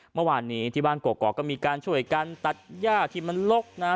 เมื่อวานนี้ที่บ้านกรอกก็มีการช่วยกันตัดย่าที่มันลกนะฮะ